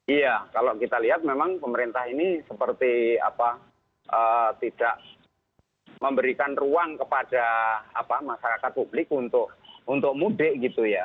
iya kalau kita lihat memang pemerintah ini seperti tidak memberikan ruang kepada masyarakat publik untuk mudik gitu ya